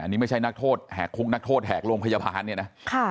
นี่ไม่ใช่นักโทษแหกคุกนักโทษแหกโรงพยาบาลเนี่ยนะ